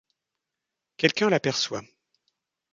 Quelqu'un l’aperçoit.